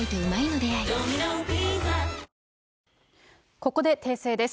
ここで訂正です。